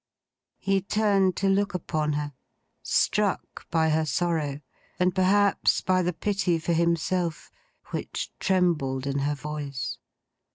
He turned to look upon her; struck by her sorrow, and perhaps by the pity for himself which trembled in her voice.